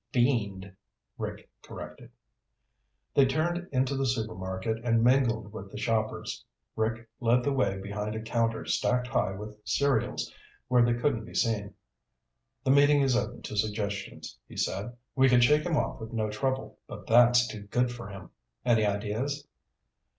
"Fiend," Rick corrected. They turned into the supermarket and mingled with the shoppers. Rick led the way behind a counter stacked high with cereals where they couldn't be seen. "The meeting is open to suggestions," he said. "We can shake him with no trouble, but that's too good for him. Any ideas?"